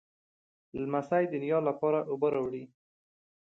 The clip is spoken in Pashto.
لمسی د نیا لپاره اوبه راوړي.